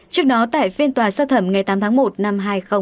trước đó tại phiên tòa sơ thẩm ngày tám tháng một năm hai nghìn hai mươi